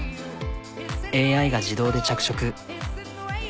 ＡＩが自動で着色。